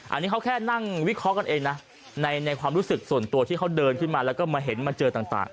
อันนี้เขาแค่นั่งวิเคราะห์กันเองนะในความรู้สึกส่วนตัวที่เขาเดินขึ้นมาแล้วก็มาเห็นมาเจอต่าง